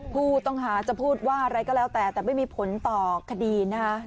ผู้ต้องหาจะพูดว่าอะไรก็แล้วแต่แต่ไม่มีผลต่อคดีนะคะ